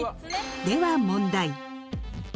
では問題。